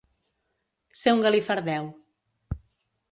Ser un galifardeu.